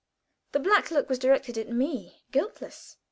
The black look was directed at me guiltless.